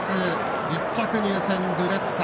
１着入線、ドゥレッツァ。